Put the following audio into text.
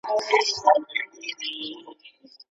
دی له خپلي خرتوبی څخه په ګور سي